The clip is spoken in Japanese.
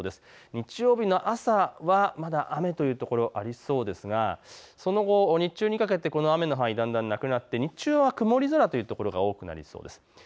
日曜日の朝はまだ雨という所ありそうですがその後、日中にかけてこの雨の範囲、だんだんなくなって日中は曇り空というところが多くなりそうです。